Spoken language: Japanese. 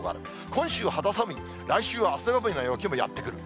今週、肌寒い、来週は汗ばむような陽気もやって来る。